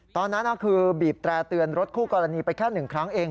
ตอนนั้นคือบีบแตร่เตือนรถคู่กรณีไปแค่๑ครั้งเอง